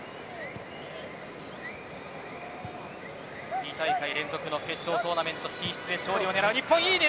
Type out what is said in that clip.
２大会連続の決勝トーナメント進出へ勝利を狙う日本。